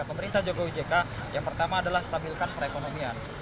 pemerintah jokowi jk yang pertama adalah stabilkan perekonomian